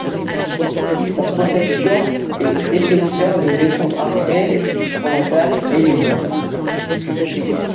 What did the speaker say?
Sa protection est d' d'épaisseur de béton armé pour la dalle et les murs.